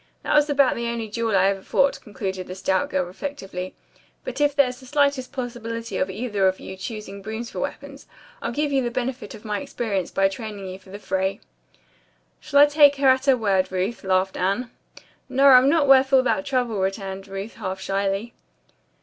That was about the only duel I ever fought," concluded the stout girl reflectively, "but if there's the slightest possibility of either of you choosing brooms for weapons, I'll give you the benefit of my experience by training you for the fray." "Shall I take her at her word, Ruth?" laughed Anne. "No, I'm not worth all that trouble," returned Ruth half shyly.